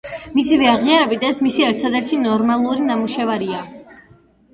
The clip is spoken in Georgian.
მისივე აღიარებით, ეს მისი ერთადერთი ნორმალური ნამუშევარია.